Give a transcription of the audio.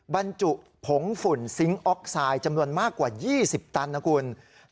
บรรจุผงฝุ่นซิงค์ออกไซด์จำนวนมากกว่า๒๐ตันนะคุณ